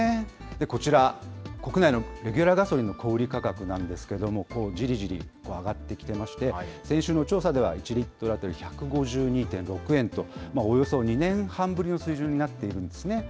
こちら、国内のレギュラーガソリンの小売り価格なんですけれども、じりじり上がってきてまして、先週の調査では、１リットル当たり１５２．６円と、およそ２年半ぶりの水準になっているんですね。